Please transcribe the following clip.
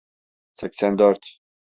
Seksen dört.